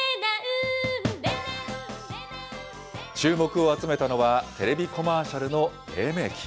注目を集めたのは、テレビコマーシャルのれい明期。